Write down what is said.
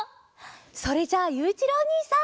それじゃあゆういちろうおにいさん！